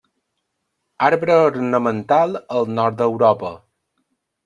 Arbre ornamental al nord d'Europa.